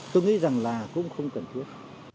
tôi nghĩ rằng là cũng không cần thiết